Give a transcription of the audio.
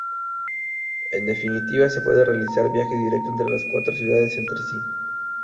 En definitiva, se puede realizar viaje directo entre las cuatro ciudades entre sí.